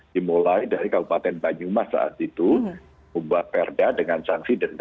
dimulai dari kabupaten banyumas saat itu membuat perda dengan sanksi denda